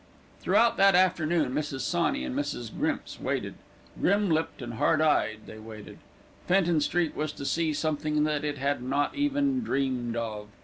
Throughout that afternoon, Mrs. Sawney and Mrs. Grimps waited; grim lipped and hard eyed they waited. Fenton Street was to see something that it had not even dreamed of.